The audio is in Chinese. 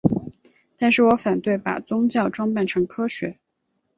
但是我反对把宗教装扮成科学。